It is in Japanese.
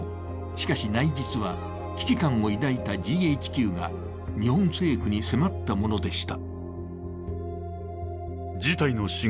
しかし内実は危機感を抱いたＧＨＱが日本政府に迫ったものでした。